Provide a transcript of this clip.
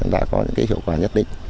đã có những cái hiệu quả nhất định